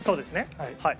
はい。